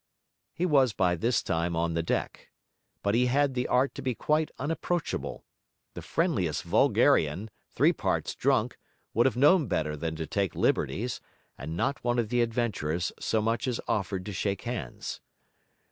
He was by this time on the deck, but he had the art to be quite unapproachable; the friendliest vulgarian, three parts drunk, would have known better than take liberties; and not one of the adventurers so much as offered to shake hands.